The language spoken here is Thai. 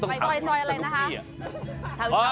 ต้องถามคุณสนุกกี้อ่ะ